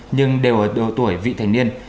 nhưng đều ở độ tuổi vị thành niên